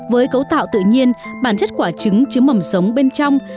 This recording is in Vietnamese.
với cấu tạo tự nhiên bản chất quả trứng mầm sống bên trong